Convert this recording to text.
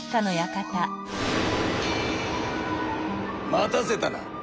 待たせたな！